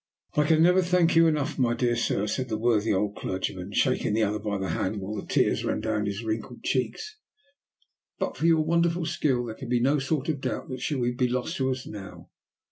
"I can never thank you enough, my dear sir," said the worthy old clergyman, shaking the other by the hand while the tears ran down his wrinkled cheeks. "But for your wonderful skill there can be no sort of doubt that she would be lost to us now.